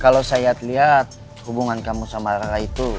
kalau saya lihat hubungan kamu sama rara itu